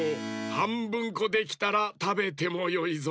はんぶんこできたらたべてもよいぞ。